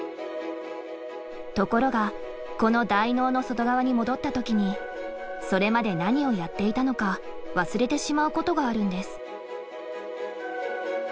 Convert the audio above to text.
ところがこの大脳の外側に戻った時にそれまで何をやっていたのか忘れてしまうことがあるんです。